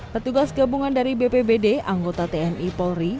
petugas gabungan dari bpbd anggota tni polri